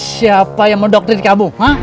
siapa yang mendokterin kamu